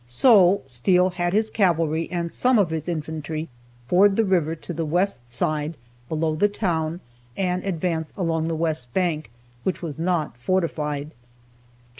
So Steele had his cavalry and some of his infantry ford the river to the west side, below the town, and advance along the west bank, which was not fortified. Gen.